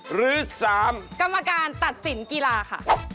หรือ๓กรรมการตัดสินกีฬาค่ะ